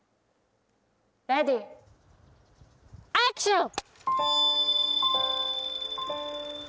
レディーアクション！